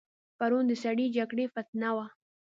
پرون د سړې جګړې فتنه وه.